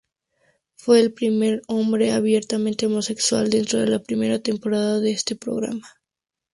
Fue el primer hombre abiertamente homosexual dentro de la primera temporada de este programa.